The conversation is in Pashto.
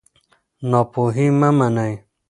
ناپوهي مه منئ.